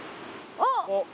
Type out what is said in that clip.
あっ。